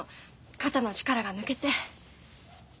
肩の力が抜けて。